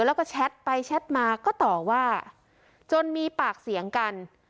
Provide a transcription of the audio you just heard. แล้วก็แชทไปแชทมาก็ต่อว่าจนมีปากเสียงกัน